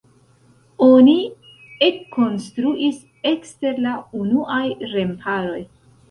Oni ekkonstruis ekster la unuaj remparoj.